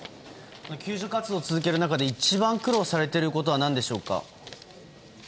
救助活動を続ける中で一番苦労されていることは何でしょうか。